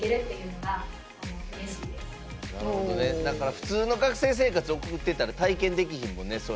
だから普通の学生生活を送ってたら体験できひんもんね